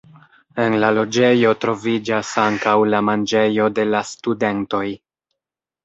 En la loĝejo troviĝas ankaŭ la manĝejo de la studentoj.